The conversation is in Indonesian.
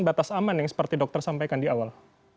batas aman yang seperti dokter sampaikan di awal